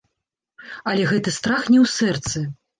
Але гэты страх не ў сэрцы.